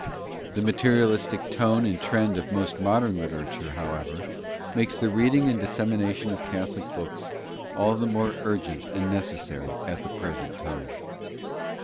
The materialistic tone and trend of most modern literature, however, makes the reading and dissemination of Catholic books all the more urgent and necessary at the present time.